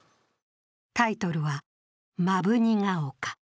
タイトルは「摩文仁ヶ丘」。